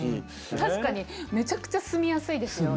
確かにめちゃくちゃ住みやすいですよね。